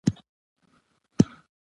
غزني د افغانانو د فرهنګي پیژندنې برخه ده.